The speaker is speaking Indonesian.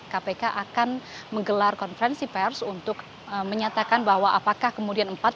kpk akan menggelar konferensi pers untuk menyatakan bahwa apakah kemudian empat